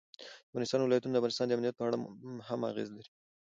د افغانستان ولايتونه د افغانستان د امنیت په اړه هم اغېز لري.